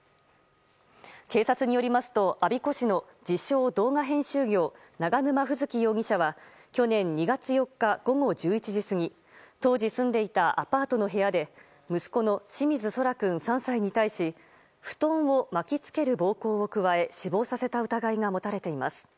警察によりますと我孫子市の自称・動画編集業永沼楓月容疑者は去年２月４日、午後１１時過ぎ当時住んでいたアパートの部屋で息子の清水奏良君、３歳に対し布団を巻き付ける暴行を加え死亡させた疑いが持たれています。